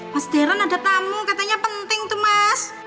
mas deron ada tamu katanya penting tuh mas